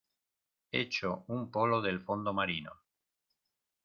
echo un polo del fondo marino.